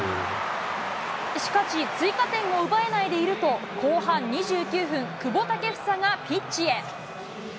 しかし、追加点を奪えないでいると、後半２９分、久保建英がピッチへ。